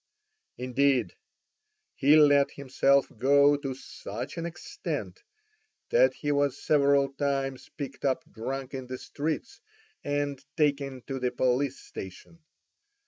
Indeed, he let himself go to such an extent, that he was several times picked up drunk in the streets and taken to the police station.